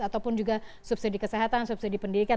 ataupun juga subsidi kesehatan subsidi pendidikan